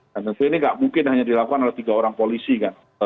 dan tentu ini gak mungkin hanya dilakukan oleh tiga orang polisi kan